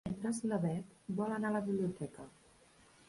Divendres na Beth vol anar a la biblioteca.